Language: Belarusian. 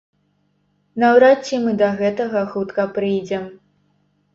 Наўрад ці мы да гэтага хутка прыйдзем.